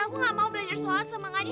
aku gak mau belajar sholat sama ngani